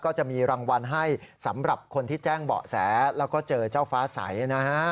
ก็จะมีรางวัลให้สำหรับคนที่แจ้งเบาะแสแล้วก็เจอเจ้าฟ้าใสนะฮะ